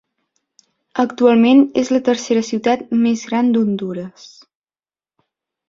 Actualment és la tercera ciutat més gran d'Hondures.